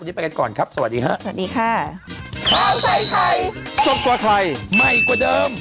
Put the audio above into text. วันนี้ไปกันก่อนครับสวัสดีค่ะสวัสดีค่ะ